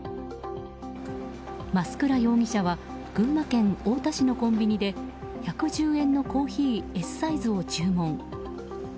増倉容疑者は群馬県太田市のコンビニで１１０円のコーヒーＳサイズを注文。